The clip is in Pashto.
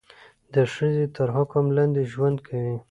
د ښځې تر حکم لاندې ژوند کوي.